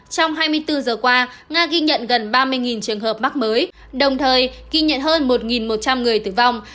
trong hai mươi bốn giờ qua nga ghi nhận gần ba mươi trường hợp mắc mới đồng thời ghi nhận hơn một một trăm linh người tử vong